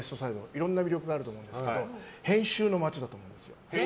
いろんな魅力があると思うんですけど編集の街だと思うんです。